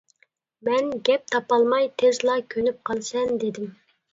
مەن گەپ تاپالماي، «تېزلا كۆنۈپ قالىسەن» دېدىم.